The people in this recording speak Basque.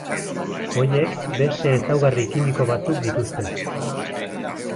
Horiek beste ezaugarri kimiko batzuk dituzte.